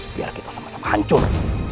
biar kita sama sama hancur